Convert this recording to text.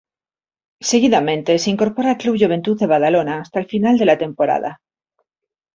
Seguidamente, se incorpora al Club Joventut de Badalona, hasta el final de la temporada.